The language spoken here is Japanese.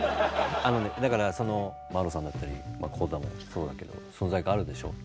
あのねだからマロさんだったり幸太もそうだけど存在感あるでしょう。